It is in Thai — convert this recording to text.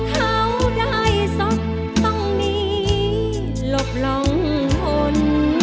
เพราะเขาได้ศพต้องมีหลบหล่องหล่น